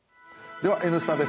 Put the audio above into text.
では「Ｎスタ」です。